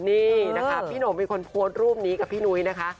นี่นะคะพี่หงเป็นคนโพสต์รูปนี้กับพี่นุ้ยนะคะ